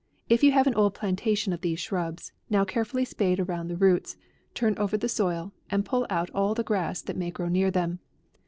If you have an old plantation of these shrubs, now carefully spade around the roots, turn over the soil, and pull out all the grass that may grow near them.